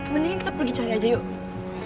mending kita pergi cari aja yuk